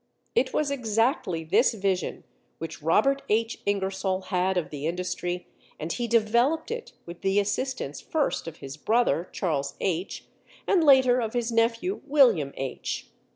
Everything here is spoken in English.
It was exactly this vision which Robert H. Ingersoll had of the industry and he developed it with the assistance first of his brother, Charles H. and later of his nephew, William H.